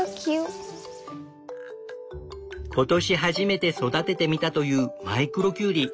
今年初めて育ててみたというマイクロキュウリ。